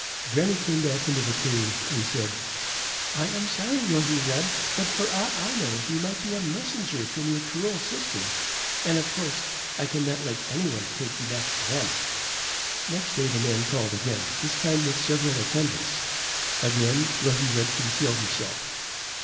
Granny came back into the cave and said, "I am sorry, Rosy red, but for aught I knew, he might be a messenger from your cruel sisters; and, of course, I cannot let anyone take you back to them." Next day, the man called again, this time with several attendants. Again, Rosy red concealed herself.